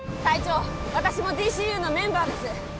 隊長私もＤＣＵのメンバーです